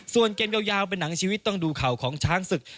ส่วนเกมยาวเป็นหนังชีวิตต้องดูเข่าของช้างศึก